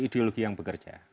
ideologi yang bekerja